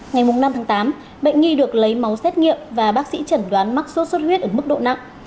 ngày năm tháng tám bệnh nhi được lấy máu xét nghiệm và bác sĩ chẩn đoán mắc sốt xuất huyết ở mức độ nặng